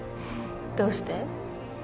どうして？